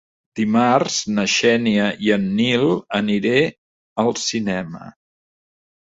Dimarts na Xènia i en Nil aniré al cinema.